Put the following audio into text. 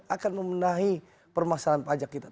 akan memenahi permasalahan pajak kita